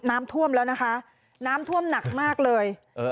น้ำท่วมแล้วนะคะน้ำท่วมหนักมากเลย